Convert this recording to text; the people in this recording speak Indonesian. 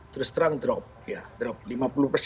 terus terang drop